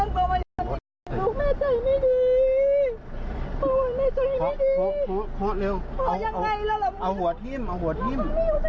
พอขอเร็วเอาหัวทิ้ม